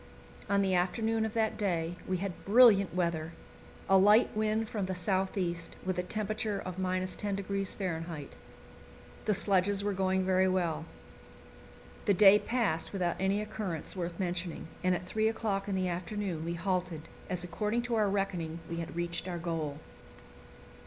On the afternoon of that day we had brilliant weather a light wind from the south east with a temperature of 10° F. The sledges were going very well. The day passed without any occurrence worth mentioning, and at three o'clock in the afternoon we halted, as according to our reckoning we had reached our goal.